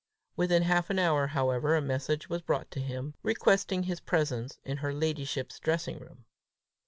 Within half an hour, however, a message was brought him, requesting his presence in her ladyship's dressing room.